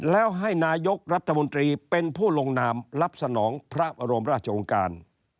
แล้วให้นายกรัฐมนตรีเป็นผู้ลงนามรับสนองพระบรมราชองค์การ